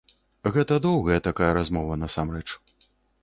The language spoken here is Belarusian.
Гэта доўгая такая размова насамрэч.